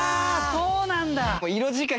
そうなんだ。